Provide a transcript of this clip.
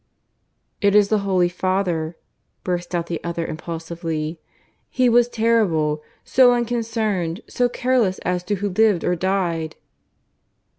"It is the Holy Father," burst out the other impulsively. "He was terrible: so unconcerned, so careless as to who lived or died.